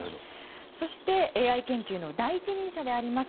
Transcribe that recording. そして、ＡＩ研究の第一人者でもあります